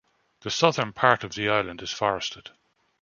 The southern part of the island is forested.